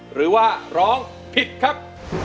หรือว่าร้องผิดครับ